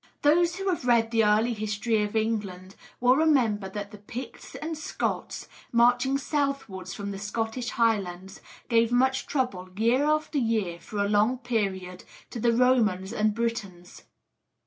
Those who have read the early history of England will remember that the Picts and Scots, marching southwards from the Scottish Highlands, gave much trouble, year after year, for a long period, to the Romans and Britons.